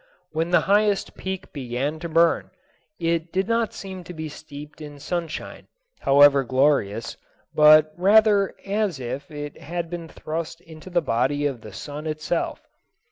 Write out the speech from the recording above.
When the highest peak began to burn, it did not seem to be steeped in sunshine, however glorious, but rather as if it had been thrust into the body of the sun itself.